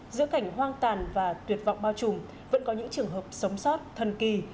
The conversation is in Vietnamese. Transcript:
giữa cảnh hoang tàn và tuyệt vọng bao trùm vẫn có những trường hợp sống sót thân kỳ